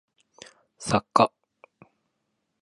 作家